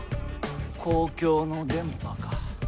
公共の電波か。